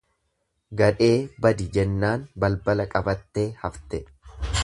Gadhee badi jennaan balbala qabattee hafte.